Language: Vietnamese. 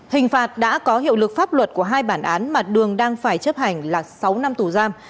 hình phạt đã có hiệu lực pháp luật của hai bản án mà đường đang phải chấp hành là sáu năm tù giam